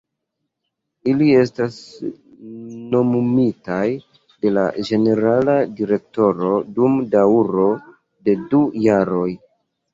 Ili estas nomumitaj de la ĝenerala direktoro dum daŭro de du jaroj.